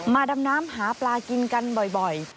ดำน้ำหาปลากินกันบ่อย